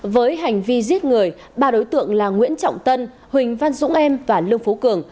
với hành vi giết người ba đối tượng là nguyễn trọng tân huỳnh văn dũng em và lương phú cường